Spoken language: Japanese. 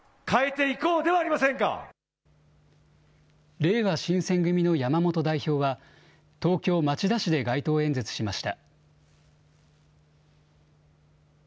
れいわ新選組の山本代表は、東京・町田市で街頭演説しました。